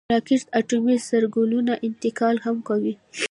راکټ د اټومي سرګلولې انتقال هم کوي